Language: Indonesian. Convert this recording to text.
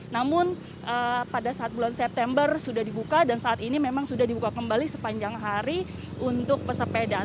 namun pada saat bulan september sudah dibuka dan saat ini memang sudah dibuka kembali sepanjang hari untuk pesepeda